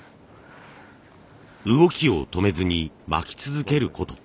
動きを止めずに巻き続けること。